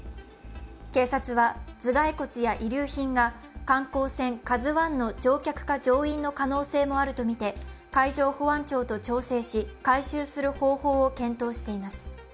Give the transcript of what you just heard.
警察は頭蓋骨や遺留品が観光船「ＫＡＺＵⅠ」の乗客か乗員の可能性もあるとみて海上保安庁と調整し、回収する方法を検討しています。